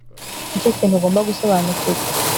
nicyo kintu ugomba gusobanukirwa